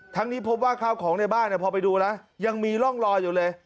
นี้พบว่าข้าวของในบ้านพอไปดูแล้วยังมีร่องรอยอยู่เลย